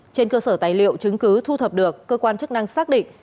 trên cơ sở tài liệu chứng cứ thu thập được cơ quan chức năng xác định